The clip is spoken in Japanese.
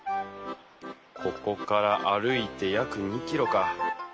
ここから歩いて約２キロか。